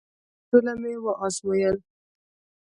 ټوله مي وازمایل …